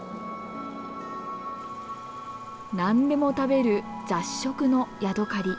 何でも食べる雑食のヤドカリ。